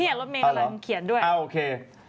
เนี่ยรถเมล์กำลังเขียนด้วยฮะโอเค